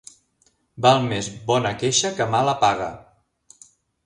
Val més bona queixa que mala paga.